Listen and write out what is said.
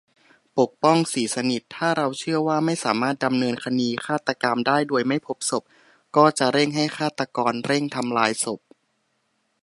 ปกป้อง ศรีสนิท : ถ้าเราเชื่อว่าไม่สามารถดำเนินคดีฆาตกรรมได้โดยไม่พบศพ ก็จะเร่งให้ฆาตกรเร่งทำลายศพ